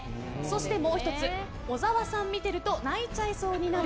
もう１つ、小沢さん見てると泣いちゃいそうになる。